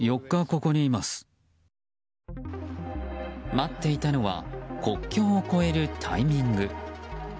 待っていたのは国境を越えるタイミング。